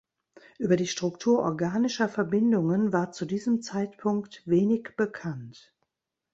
Über die Struktur organischer Verbindungen war zu diesem Zeitpunkt wenig bekannt.